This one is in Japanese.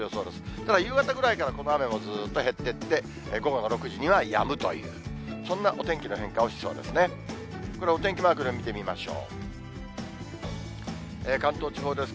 ただ、夕方ぐらいからこの雨もずっと減っていって、午後の６時にはやむという、そんなお天気の変化をしそうですね。